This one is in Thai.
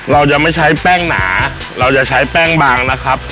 เรายังไม่ใช้แป้งหนาเราจะใช้แป้งบางนะครับ